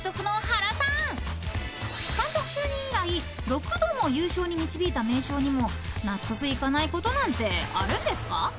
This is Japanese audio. ［監督就任以来六度の優勝に導いた名将にも納得いかないことなんてあるんですか？］